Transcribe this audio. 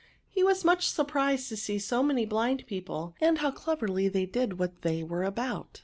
He was mucli surprised to see so many blind people, and how cleverly they did what they were about.